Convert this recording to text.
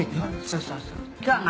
・そうそうそう。